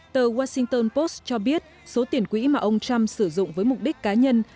tờ washington post cho biết số tiền quỹ mà ông trump sử dụng với mục đích cá nhân lên tới hai trăm tám mươi năm đô la mỹ